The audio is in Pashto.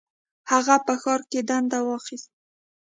هغه په ښار کې دنده واخیسته.